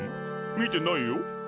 見てないよ。